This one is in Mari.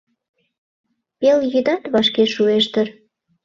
Пелйӱдат вашке шуэш дыр.